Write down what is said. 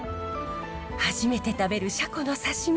初めて食べるシャコの刺身